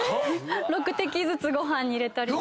６滴ずつご飯に入れたり。